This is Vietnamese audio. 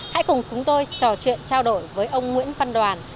hãy cùng chúng tôi trò chuyện trao đổi với ông nguyễn văn đoàn